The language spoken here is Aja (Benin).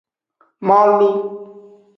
Molu.